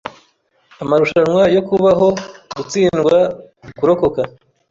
Amarushanwa yo kubaho-gutsindwa kurokoka .